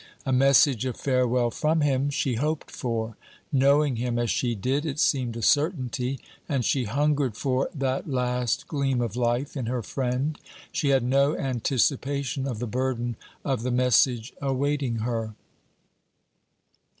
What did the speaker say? A message of farewell from him, she hoped for: knowing him as she did, it seemed a certainty; and she hungered for that last gleam of life in her friend. She had no anticipation of the burden of the message awaiting her.